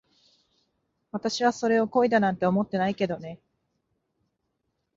私はそれを恋だなんて思ってないけどね。